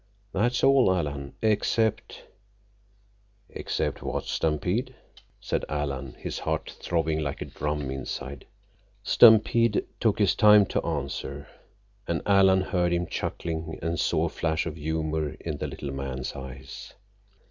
That's all, Alan, except—" "Except what, Stampede?" said Alan, his heart throbbing like a drum inside him. Stampede took his time to answer, and Alan heard him chuckling and saw a flash of humor in the little man's eyes.